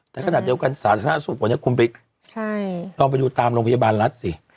แต่ขนาดเดียวกันสาธารณสุขวันนี้คุณไปลองไปดูตามโรงพยาบาลรัฐสิ